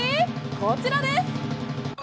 こちらです！